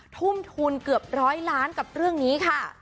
ทุ่มทุนเกือบร้อยล้านกับเรื่องนี้ค่ะ